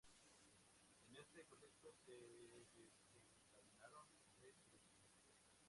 En este contexto, se desencadenaron tres crisis.